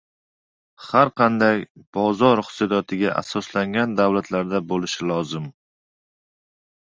har qanday bozor iqtisodiyotiga asoslangan davlatlarda bo‘lishi lozim.